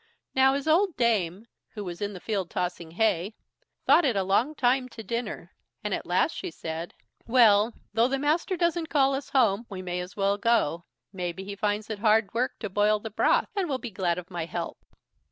Now, his old dame, who was in the field tossing hay, thought it a long time to dinner, and at last she said: "Well! though the master doesn't call us home, we may as well go. Maybe he finds it hard work to boil the broth, and will be glad of my help."